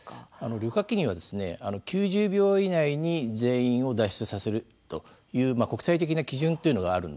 旅客機にはですね９０秒以内に全員を脱出させるという国際的な基準というのがあるんですね。